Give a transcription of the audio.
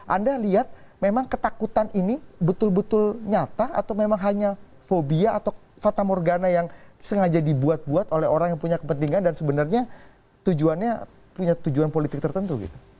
anda lihat memang ketakutan ini betul betul nyata atau memang hanya fobia atau fata morgana yang sengaja dibuat buat oleh orang yang punya kepentingan dan sebenarnya tujuannya punya tujuan politik tertentu gitu